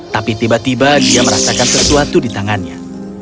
tapi tiba tiba dia merasakan sesuatu di tangannya